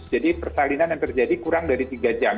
jadi persalinan yang terjadi kurang dari tiga jam